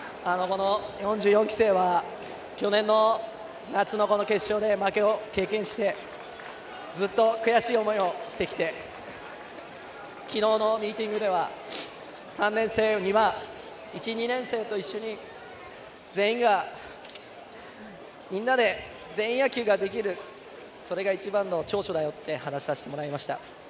４４期生は去年の夏負けを経験してずっと悔しい思いをしてきて昨日のミーティングでは３年生には１、２年生と一緒に全員がみんなで全員野球ができるそれが一番の長所だよと話をさせてもらいました。